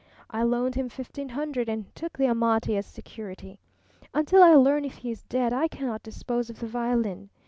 I loaned him fifteen hundred and took the Amati as security. Until I learn if he is dead I cannot dispose of the violin.